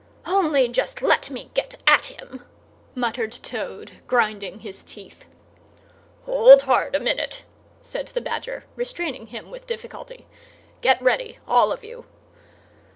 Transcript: "Only just let me get at him!" muttered Toad, grinding his teeth. "Hold hard a minute!" said the Badger, restraining him with difficulty. "Get ready, all of you!"